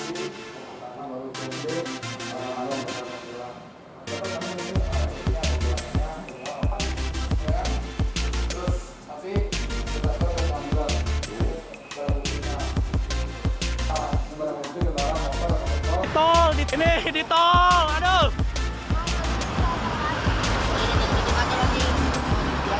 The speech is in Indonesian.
ini di tol aduh